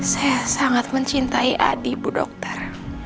saya sangat mencintai adi bu dokter